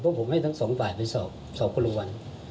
เพราะผมให้ทั้งสองฝ่ายไปสอบคนละวัน